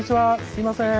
すいません。